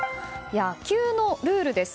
「野球のルール」です。